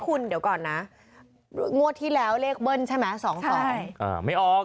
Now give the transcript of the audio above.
คุณเดี๋ยวก่อนนะงวดที่แล้วเลขเบิ้ลใช่ไหม๒๒